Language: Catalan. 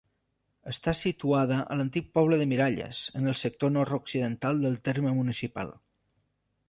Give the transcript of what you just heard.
Està situada a l'antic poble de Miralles, en el sector nord-occidental del terme municipal.